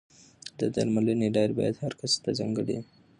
د درملنې لارې باید هر کس ته ځانګړې وي.